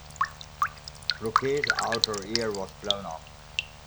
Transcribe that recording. Floquet's outer ear was blown off.